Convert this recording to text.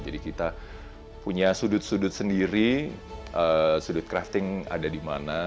jadi kita punya sudut sudut sendiri sudut crafting ada di mana